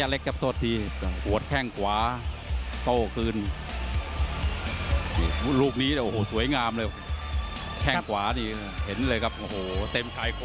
แล้วเกมเริ่มเข้มข้นแล้วครับ